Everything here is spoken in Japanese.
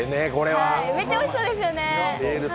めちゃおいしそうですよね。